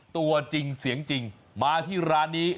ตัวจริงเสียงจริงมาที่ร้านนี้